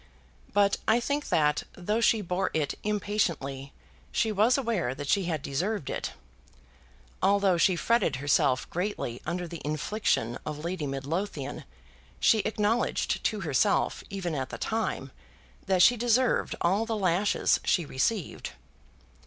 But I think that, though she bore it impatiently, she was aware that she had deserved it. Although she fretted herself greatly under the infliction of Lady Midlothian, she acknowledged to herself, even at the time, that she deserved all the lashes she received.